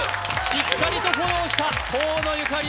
しっかりとフォローした河野ゆかり